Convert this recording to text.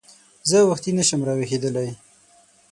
زه وختي نه شم راویښېدلی !